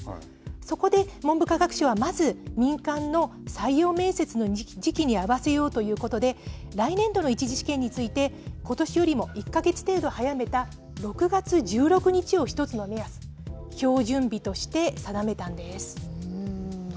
そこで文部科学省はまず民間の採用面接の時期に合わせようということで、来年度の１次試験について、ことしよりも１か月程度早めた６月１６日を１つの目安、標準日として定めたんです。